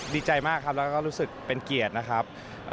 ดีใจมากครับแล้วก็รู้สึกเป็นเกียรตินะครับ